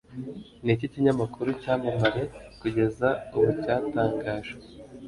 Niki Kinyamakuru Cyamamare Kugeza ubu Cyatangajwe